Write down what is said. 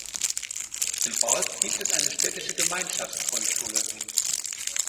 Im Ort gibt es eine städtische Gemeinschafts-Grundschule.